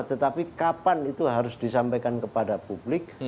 tetapi kapan itu harus disampaikan kepada publik